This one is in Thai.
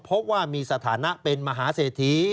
เพราะว่ามีสถานะเป็นมหาเศรษฐี